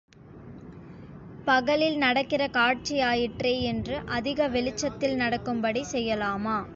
பகலில் நடக்கிற காட்சியாயிற்றே என்று அதிக வெளிச்சத்தில் நடக்கும்படி செய்யலாமா?